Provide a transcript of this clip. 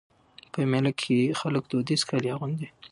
په مېله کښي خلک دودیز کالي اغوندي.